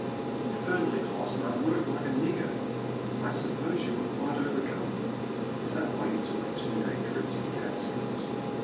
It was infernally hot and I worked like ' a nigger ^"I suppose you were quite overcome. Is that why you took a two days' trip to the Catskills